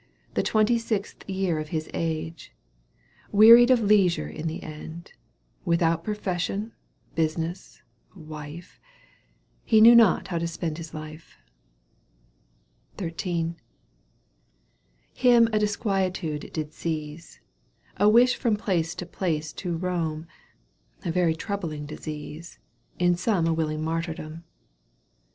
The twenty sixth year of his age, Wearied of leisure in the end. Without profession, business, wife. He knew not how to spend his life. XIIL Him a disquietude did seize, A wish from place to place to roam, A very troublesome disease, In some a willing martyrdom.